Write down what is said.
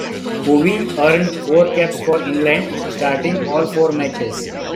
Howey earned four caps for England, starting all four matches.